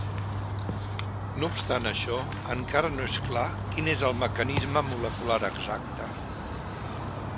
No obstant això, encara no és clar quin és el mecanisme molecular exacte.